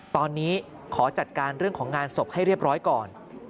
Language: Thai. ตอนนี้ขอจัดการเรื่องของงานศพให้เรียบร้อยก่อน